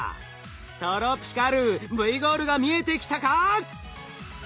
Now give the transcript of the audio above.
トロピカルＶゴールが見えてきたか？